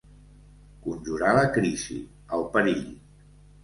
Conjurar la crisi, el perill.